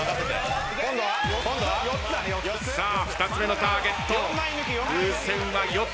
さあ２つ目のターゲット風船は４つ。